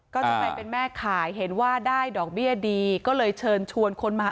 ก็จะไปเป็นแม่ขายเห็นว่าได้ดอกเบี้ยดีก็เลยเชิญชวนคนมา